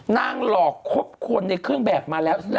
หลอกครบคนในเครื่องแบบมาแล้ว